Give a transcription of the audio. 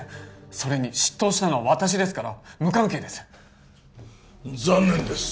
それに執刀したのは私ですから無関係です残念です